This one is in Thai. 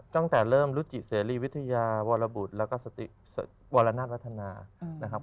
จากแต่เริ่มรู้จิสิริวิทยาวรบุรษแล้วก็สติวรรณาสลัดทนานะครับ